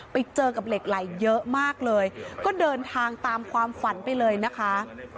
ไปเจอกับเหล็กไหลเยอะมากเลยก็เดินทางตามความฝันไปเลยนะคะ